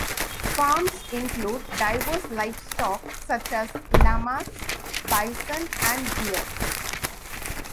Farms include diverse livestock such as llamas, bison, and deer.